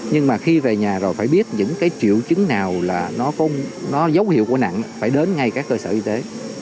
nhưng mà khi về nhà rồi phải biết những cái triệu chứng nào là nó dấu hiệu của nặng phải đến ngay các cơ sở y tế